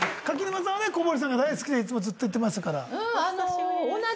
柿沼さんはこぼりさんが大好きでいつもずっと言ってましたから。